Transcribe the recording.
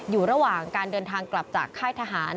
อยู่ระหว่างการเดินทางกลับจากค่ายทหาร